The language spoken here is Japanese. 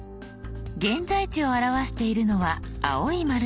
「現在地」を表しているのは青い丸印。